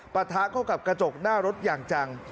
ปะทะเข้ากับกระจกหน้ารถอย่างจัง